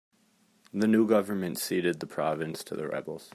The new government ceded the province to the rebels.